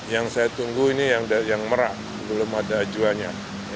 yang saya tunggu ini yang merah belum ada ajuhannya